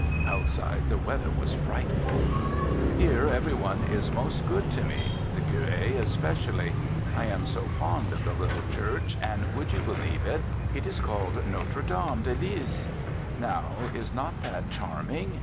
[Outside the weather was frightful.] Here every one is most good to me the Curé especially. I am so fond of the little church, and, would you believe it, it is called Notre Dame de Liesse! Now, is not that charming?